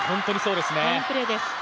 ファインプレーです。